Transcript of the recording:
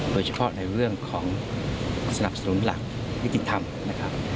โดยเฉพาะในเรื่องของสนับสนุนหลักนิติธรรมนะครับ